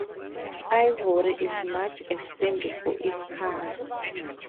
Ivory is much esteemed for its colour.